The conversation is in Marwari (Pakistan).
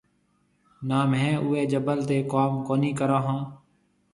نا مهيَ اُوئي جبل تي ڪوم ڪونهي ڪرون هون۔